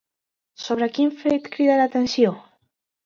Sobre quin fet crida l'atenció?